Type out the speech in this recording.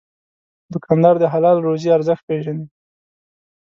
دوکاندار د حلال روزي ارزښت پېژني.